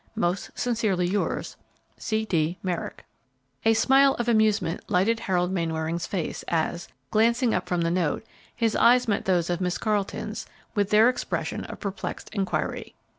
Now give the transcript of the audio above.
"Most sincerely yours, "C. D. MERRICK." A smile of amusement lighted Harold Mainwaring's face as, glancing up from the note, his eyes met those of Miss Carleton's with their expression of perplexed inquiry.